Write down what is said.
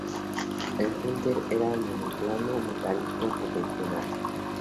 El Hunter era un monoplano metálico convencional.